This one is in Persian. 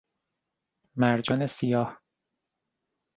مرجان سیاه